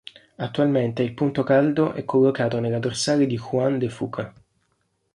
Attualmente il punto caldo è collocato nella dorsale di Juan de Fuca.